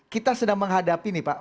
kita sedang menghadapi ini pak